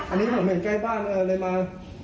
อันนี้ผมเห็นใกล้บ้านเลยมา